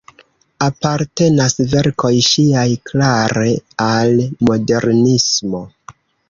Apartenas verkoj ŝiaj klare al modernismo.